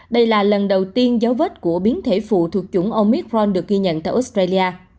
đây là lần đầu tiên dấu vết của biến thể phụ thuộc chủng omithron được ghi nhận tại australia